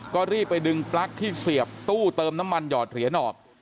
ก็รีบไปดึงปลั๊กที่เสียบตู้เติมน้ำมันหยอดเหรียญออก